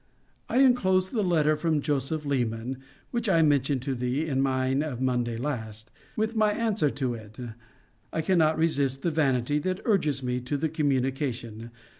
I enclose the letter from Joseph Leman, which I mentioned to thee in mine of Monday last,* with my answer to it. I cannot resist the vanity that urges me to the communication.